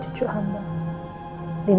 gue ngerasa seperti apa